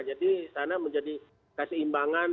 jadi sana menjadi keseimbangan